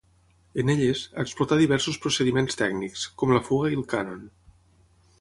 En elles, explotà diversos procediments tècnics, com la fuga i el cànon.